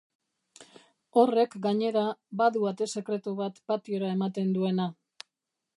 Horrek, gainera, badu ate sekretu bat patiora ematen duena.